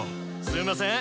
すんません！